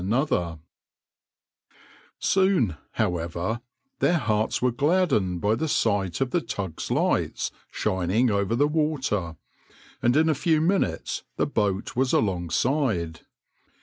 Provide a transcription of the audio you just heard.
\par Soon, however, their hearts were gladdened by the sight of the tug's lights shining over the water, and in a few minutes the boat was alongside.